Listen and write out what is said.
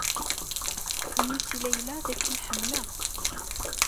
Ini-as i Layla dakken ḥemmleɣ-tt.